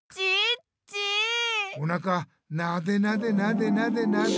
おなかなでなでなでなでなで。